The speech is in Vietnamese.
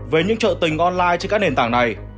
về những trợ tình online trên các nền tảng này